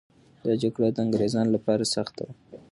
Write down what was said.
دا جګړه د انګریزانو لپاره سخته وه.